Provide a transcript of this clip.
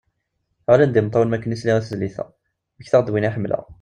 Ɣlin-d imettawen makka sliɣ tizlit a, mmektaɣ-d winna ḥemmleɣ.